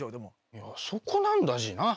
いやそこなんだＧな。